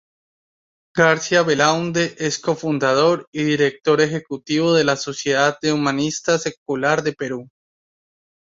Garcia-Belaunde es co-fundador y director ejecutivo de la Sociedad de Humanista Secular de Perú.